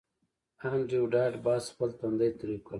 انډریو ډاټ باس خپل تندی ترېو کړ